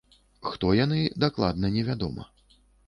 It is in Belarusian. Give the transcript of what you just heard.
Хто яны, дакладна невядома.